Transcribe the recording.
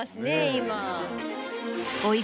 今。